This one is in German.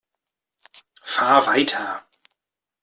Fahr weiter!